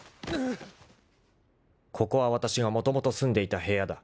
［ここはわたしがもともと住んでいた部屋だ］